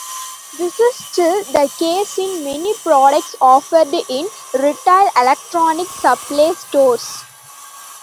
This is still the case in many products offered in retail electronic supply stores.